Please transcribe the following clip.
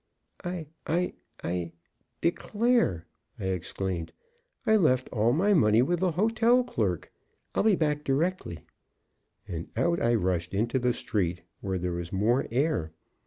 "I I I I declare!" I exclaimed. "I left all my money with the hotel clerk; I'll be back directly." And out I rushed into the street where there was more air.